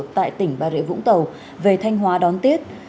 tại tỉnh bà rệ vũng tàu về thanh hóa đón tiết